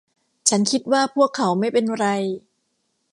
ฉันคิดว่าพวกเขาไม่เป็นไร